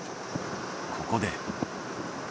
ここで。